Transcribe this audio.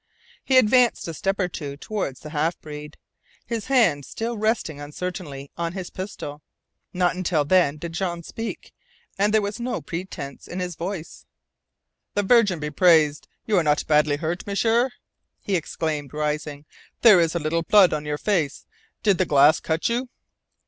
He advanced a step or two toward the half breed, his hand still resting uncertainly on his pistol. Not until then did Jean speak, and there was no pretence in his voice: "The Virgin be praised, you are not badly hurt, M'sieur?" he exclaimed, rising. "There is a little blood on your face. Did the glass cut you?"